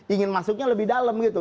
ingin masuknya lebih dalam gitu